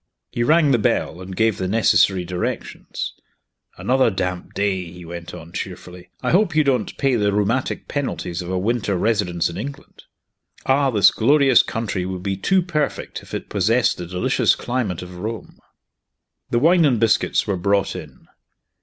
He rang the bell, and gave the necessary directions "Another damp day!" he went on cheerfully. "I hope you don't pay the rheumatic penalties of a winter residence in England? Ah, this glorious country would be too perfect if it possessed the delicious climate of Rome!" The wine and biscuits were brought in.